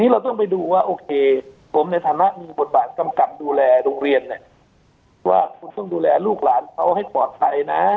เราต้องไปดูว่าโอเคผมในฐานะมีบทบาทกำกับดูแลโรงเรียนว่าคุณต้องดูแลลูกหลานเขาให้ปลอดภัยนะ